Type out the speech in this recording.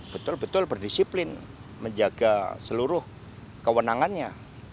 betul betul berdisiplin menjaga seluruh kewenangannya